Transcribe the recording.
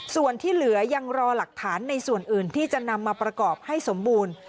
ส่วนที่เหลือยังรอหลักฐานในส่วนอื่นที่จะนำมาประกอบให้สมบูรณ์